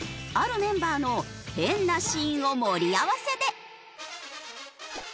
あるメンバーの変なシーンを盛り合わせで。